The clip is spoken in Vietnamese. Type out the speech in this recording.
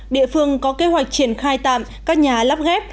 địa phương có kế hoạch triển khai tạm các nhà lắp ghép